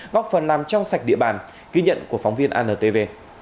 góp phần làm trong sạch địa bàn ghi nhận của phóng viên antv